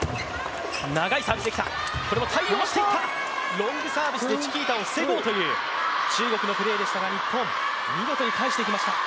ロングサービスでチキータを防ごうという中国のプレーでしたが、日本、見事に返していきました。